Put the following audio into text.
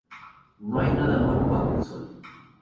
No hay nada nuevo bajo el sol